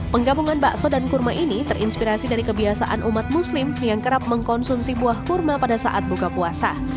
penggabungan bakso dan kurma ini terinspirasi dari kebiasaan umat muslim yang kerap mengkonsumsi buah kurma pada saat buka puasa